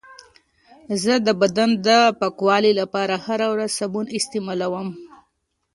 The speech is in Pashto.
زه د بدن د پاکوالي لپاره هره ورځ صابون استعمالوم.